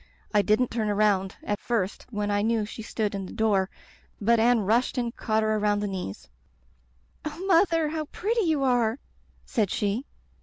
I didn't turn around at first when I knew she stood in the door, but Anne rushed and caught her around the knees. *Oh, Mother, how pretty you are!' said she.